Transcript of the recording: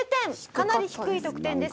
かなり低い得点です。